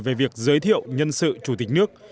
về việc giới thiệu nhân sự chủ tịch nước